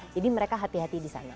jadi mereka hati hati disana